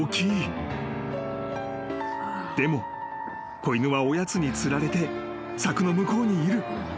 子犬はおやつに釣られて柵の向こうにいる］